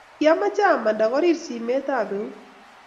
Kianmeche amanda korir simet ab eut